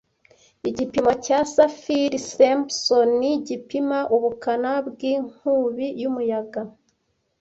Igipimo cya Saffir-Simpson gipima ubukana bwi'Inkubi y'umuyaga